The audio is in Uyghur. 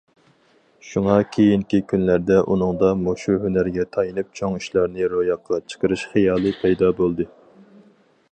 شۇڭا كېيىنكى كۈنلەردە ئۇنىڭدا مۇشۇ ھۈنەرگە تايىنىپ، چوڭ ئىشلارنى روياپقا چىقىرىش خىيالى پەيدا بولدى.